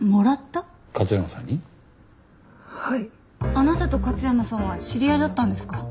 あなたと勝山さんは知り合いだったんですか？